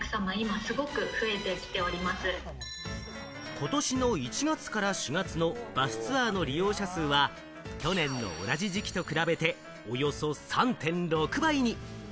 ことしの１月から４月のバスツアーの利用者数は去年の同じ時期と比べておよそ３．６倍に。